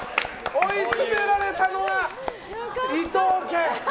追いつめられたのは伊藤家。